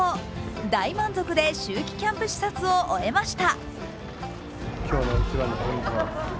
大満足で秋季キャンプ視察を終えました。